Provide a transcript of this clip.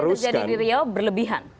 artinya yang kemarin terjadi di riau berlebihan